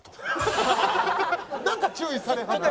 なんか注意されてる。